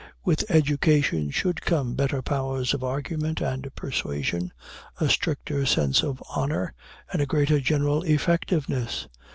With education should come better powers of argument and persuasion, a stricter sense of honor, and a greater general effectiveness.